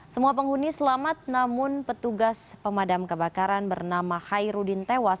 semua penghuni selamat namun petugas pemadam kebakaran bernama hairudin tewas